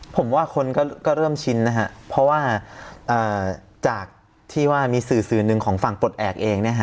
ผมว่าคนก็เริ่มชินเพราะว่าจากที่ว่ามีสื่อหนึ่งของฝั่งปลดแอกเอง